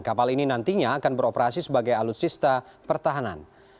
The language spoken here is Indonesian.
kapal ini nantinya akan beroperasi sebagai alutsista pertahanan